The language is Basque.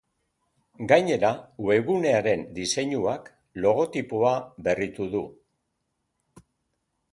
Gainera, webgunearen diseinuak logotipoa berritu du.